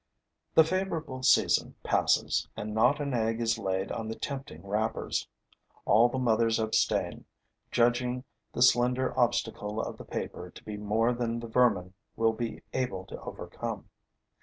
The favorable season passes and not an egg is laid on the tempting wrappers. All the mothers abstain, judging the slender obstacle of the paper to be more than the vermin will be able to overcome.